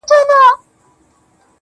گلي پر ملا باندي راماته نسې.